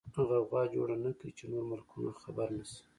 غوغا جوړه نکې چې نور ملکونه خبر نشي.